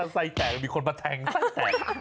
ไส้แตกมีคนมาแทงไส้แตก